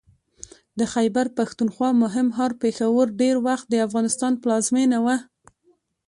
د خیبر پښتونخوا مهم ښار پېښور ډېر وخت د افغانستان پلازمېنه وه